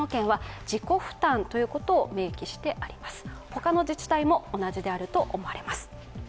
他の自治体も同じであると思われます。